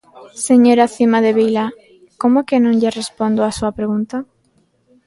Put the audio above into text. Señora Cimadevila, ¿como que non lle respondo á súa pregunta?